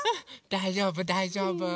だいじょうぶだいじょうぶ。